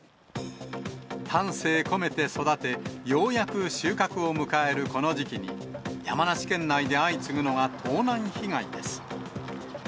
丹精込めて育て、ようやく収穫を迎えるこの時期に、山梨県内で相次ぐのが盗難被害です。